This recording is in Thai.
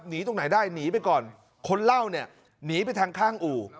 ตรงไหนได้หนีไปก่อนคนเล่าเนี่ยหนีไปทางข้างอู่